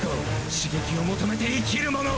刺激を求めて生きる者！